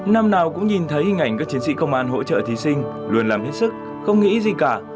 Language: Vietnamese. năm nào cũng nhìn thấy hình ảnh các chiến sĩ công an hỗ trợ thí sinh luôn làm hết sức không nghĩ gì cả